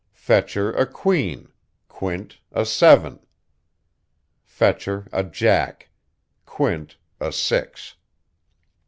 Fetcher a queen, Quint a seven. Fetcher a jack, Quint a six.